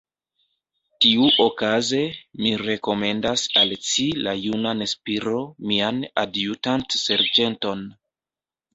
Tiuokaze, mi rekomendas al ci la junan Spiro, mian adjutant-serĝenton.